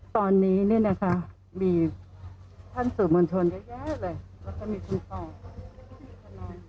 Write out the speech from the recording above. ตอนนี้เนี่ยนะคะมีท่านสื่อมวลชนเยอะแยะเลยแล้วก็มีคุณพ่อนอน